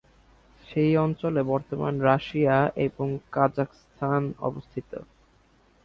সেই অঞ্চলে বর্তমান রাশিয়া এবং কাজাখস্তান অবস্থিত।